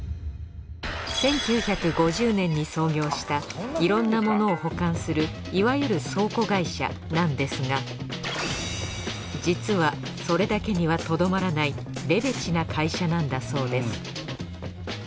１９５０年に創業したいろんなものを保管するいわゆる倉庫会社なんですが実はそれだけにはとどまらないレベチな会社なんだそうです